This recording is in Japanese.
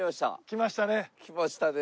来ましたね！